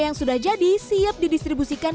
yang sudah jadi siap didistribusikan